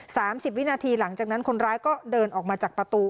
สิบวินาทีหลังจากนั้นคนร้ายก็เดินออกมาจากประตู